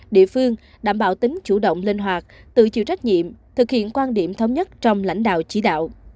địa phương đảm bảo tính chủ động linh hoạt tự chịu trách nhiệm thực hiện quan điểm thống nhất trong lãnh đạo chỉ đạo